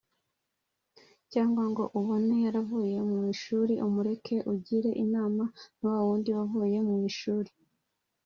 Cyangwa ngo umubone yaravuye mu ishuri umureke…Ugire inama na wundi wavuye mu ishuri